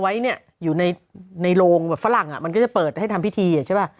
ไว้เนี่ยอยู่ในโรงแบบฝรั่งอ่ะมันก็จะเปิดให้ทำพิธีอ่ะใช่ป่ะ